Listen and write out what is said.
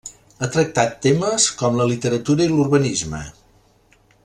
Ha tractat temes com la literatura i l'urbanisme.